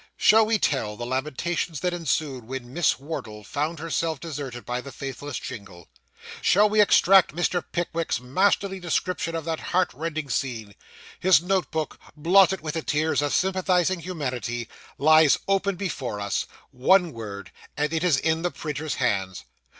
Shall we tell the lamentations that ensued when Miss Wardle found herself deserted by the faithless Jingle? Shall we extract Mr. Pickwick's masterly description of that heartrending scene? His note book, blotted with the tears of sympathising humanity, lies open before us; one word, and it is in the printer's hands.